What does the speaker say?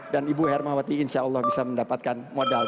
dan ibu hermawati insya allah bisa mendapatkan modal